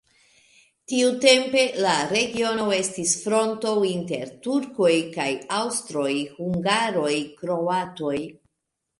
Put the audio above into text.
Tiutempe la regiono estis fronto inter turkoj kaj aŭstroj-hungaroj-kroatoj.